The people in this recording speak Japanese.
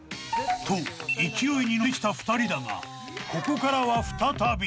［と勢いに乗ってきた２人だがここからは再び］